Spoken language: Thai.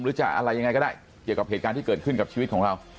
หรือจะอะไรยังไงก็ได้เกี่ยวกับเหตุการณ์ที่เกิดขึ้นกับชีวิตของเรา